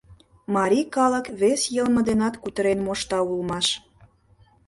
Марий калык вес йылме денат кутырен мошта улмаш.